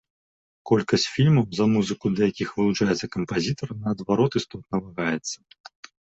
Колькасць фільмаў, за музыку да якіх вылучаецца кампазітар, наадварот істотна вагаецца.